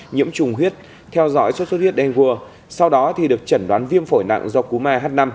nhiễm trùng huyết theo dõi suốt suốt huyết đen cua sau đó được chẩn đoán viêm phổi nặng do cúm ah năm